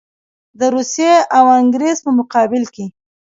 د روسیې او انګرېز په مقابل کې.